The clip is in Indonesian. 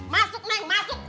masuk neng masuk